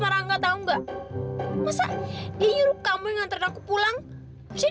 terima kasih amat hebat m reality all kayak it patriarch punya kw taruh karotic lu wieder